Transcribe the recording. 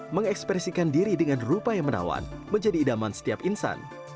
mengekspresikan diri dengan rupa yang menawan menjadi idaman setiap insan